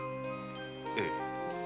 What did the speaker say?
ええ。